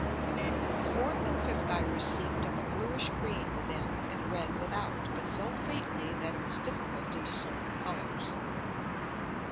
The fourth and fifth Iris seem'd of a bluish green within, and red without, but so faintly that it was difficult to discern the Colours.